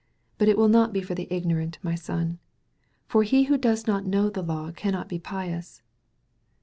But it will not be for the ignorant, my son. For he who does not know the law cannot be pious."